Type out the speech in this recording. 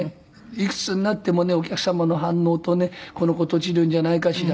いくつになってもねお客様の反応とね「この子とちるんじゃないかしら」